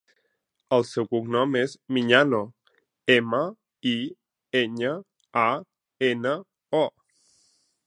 El seu cognom és Miñano: ema, i, enya, a, ena, o.